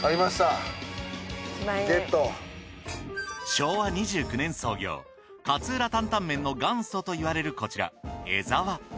昭和２９年創業勝浦タンタンメンの元祖といわれるこちら江ざわ。